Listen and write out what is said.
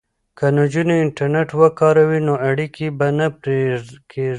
که نجونې انټرنیټ وکاروي نو اړیکې به نه پرې کیږي.